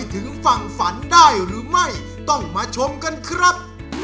สวัสดีครับ